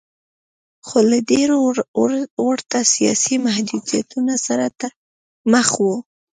خو له ډېرو ورته سیاسي محدودیتونو سره مخ و.